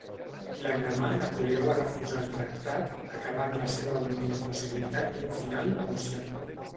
L'endemà Napoleó va refusar el tractat, acabant la seva última possibilitat d'un final negociat.